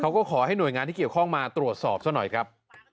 ขอให้หน่วยงานที่เกี่ยวข้องมาตรวจสอบซะหน่อยครับ